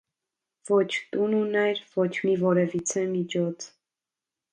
Ոչ տուն ուներ, ոչ մի որևիցե միջոց.